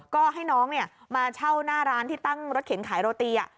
ก็ให้น้องมาเช่าหน้าร้านที่ตั้งรถเข็นขายโรตี